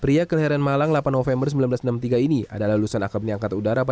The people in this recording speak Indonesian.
pria keheran malang delapan november seribu sembilan ratus enam puluh tiga ini adalah lulusan akademi angkatan udara